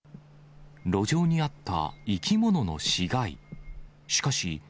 路上にあった生き物の死骸。